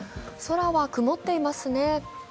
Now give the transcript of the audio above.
空は曇っていますね。